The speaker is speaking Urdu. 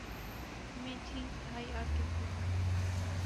میں ٹھیک بھائی آپ کیسے ہیں؟